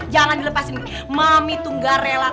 jangan dilepasin mami itu nggak rela